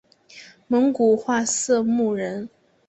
蒙古化色目人。